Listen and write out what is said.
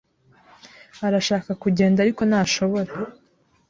arashaka kugenda, ariko ntashobora.